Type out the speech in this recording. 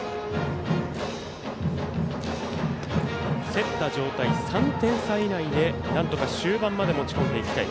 競った状態、３点差以内でなんとか終盤まで持ち込んでいきたい。